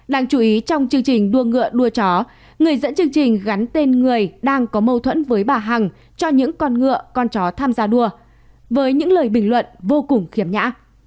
đáng chú ý trong chương trình đua ngựa đua chó người dẫn chương trình gắn tên người đang có mâu thuẫn với bà hằng cho những con ngựa con chó tham gia đua với những lời bình luận vô cùng khiếm nhã